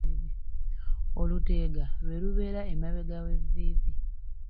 Oluteega lwe lubeera emabega w'evviivi.